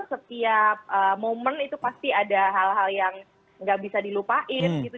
setiap momen itu pasti ada hal hal yang nggak bisa dilupain gitu